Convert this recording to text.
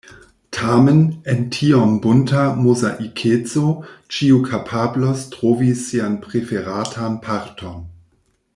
Tamen en tiom bunta mozaikeco ĉiu kapablos trovi sian preferatan parton.